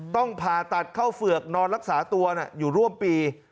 ต้องผ่าตัดเข้าเฝือกนอนรักษาตัวอยู่ร่วมปี